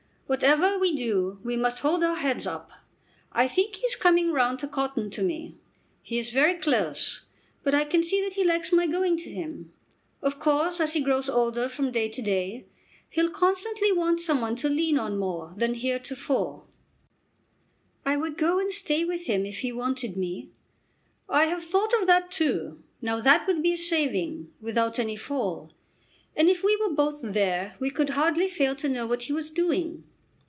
"Whatever we do we must hold our heads up. I think he is coming round to cotton to me. He is very close, but I can see that he likes my going to him. Of course, as he grows older from day to day, he'll constantly want some one to lean on more than heretofore." "I would go and stay with him if he wanted me." "I have thought of that too. Now that would be a saving, without any fall. And if we were both there we could hardly fail to know what he was doing.